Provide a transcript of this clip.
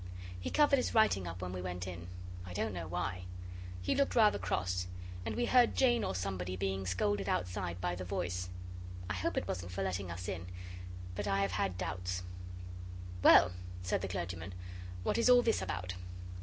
He covered his writing up when we went in I didn't know why. He looked rather cross, and we heard Jane or somebody being scolded outside by the voice. I hope it wasn't for letting us in, but I have had doubts. 'Well,' said the clergyman, 'what is all this about?